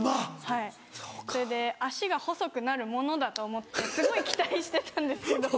はいそれで足が細くなるものだと思ってすごい期待してたんですけど。